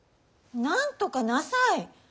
なんとかなさい！